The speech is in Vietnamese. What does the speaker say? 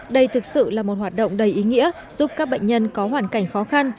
đây thực sự là một hoạt động đầy ý nghĩa giúp các bệnh nhân có hoàn cảnh khó khăn